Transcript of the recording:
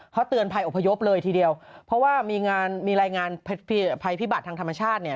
เขาเตือนภัยอพยพเลยทีเดียวเพราะว่ามีงานมีรายงานภัยพิบัติทางธรรมชาติเนี่ย